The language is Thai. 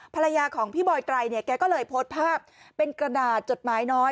ภรรยาของพี่บอยไตรเนี่ยแกก็เลยโพสต์ภาพเป็นกระดาษจดหมายน้อย